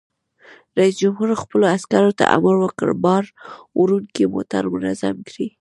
رئیس جمهور خپلو عسکرو ته امر وکړ؛ بار وړونکي موټر منظم کړئ!